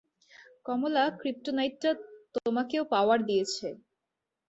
কমলা ক্রিপ্টোনাইটটা তোমাকেও পাওয়ার দিয়েছে!